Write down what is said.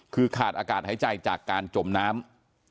คือขาดอากาศหายใจจากการจมน้ำ